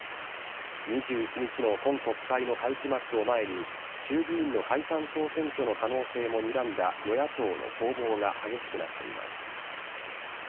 ２１日の今国会の会期末を前に衆議院の解散総選挙の可能性もにらんだ与野党の攻防が激しくなっています。